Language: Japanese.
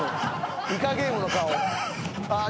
「『イカゲーム』の顔！」